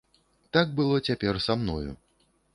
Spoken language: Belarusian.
Так было цяпер са мною.